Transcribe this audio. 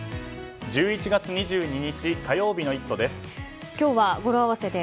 １１月２２日火曜日の「イット！」